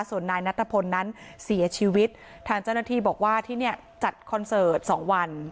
ส่วนนายนัทพลนั้นเสียชีวิตทางเจ้าหน้าที่บอกว่าที่เนี่ยจัดคอนเสิร์ตสองวัน